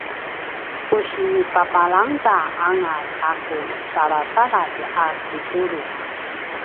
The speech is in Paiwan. ku si papalangda anga ta ku salasaladj a kitulu